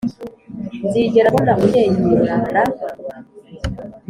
nzigera mbona unyenyura ra